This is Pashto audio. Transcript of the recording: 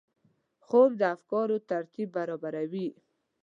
خوب د افکارو ترتیب برابروي